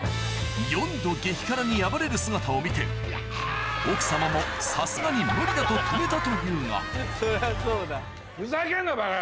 ４度激辛に敗れる姿を見て奥様もさすがに無理だと止めたというがそりゃそうだ。